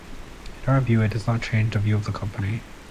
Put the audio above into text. In our view, it does not change the view of the company.